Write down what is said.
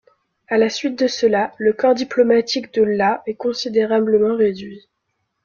À la suite de cela, le corps diplomatique de la est considérablement réduit.